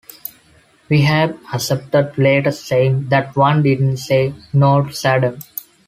Wihaib accepted, later saying that one didn't say no to Saddam.